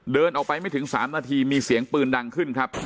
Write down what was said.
เดินออกไปไม่ถึง๓นาทีมีเสียงปืนดังขึ้นครับ